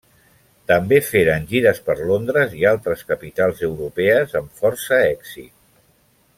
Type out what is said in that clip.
També feren gires per Londres i altres capitals europees amb força èxit.